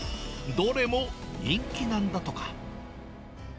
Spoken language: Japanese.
どれも人気なんだとか。